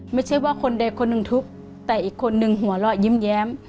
ไม่ใช่ว่าคนใดคนหนึ่งทุบแต่อีกคนนึงหัวเราะยิ้มแย้ม